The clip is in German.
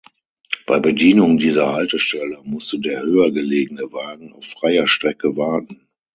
Bei Bedienung dieser Haltestelle musste der höher gelegene Wagen auf freier Strecke warten.